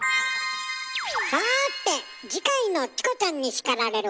さて次回の「チコちゃんに叱られる！」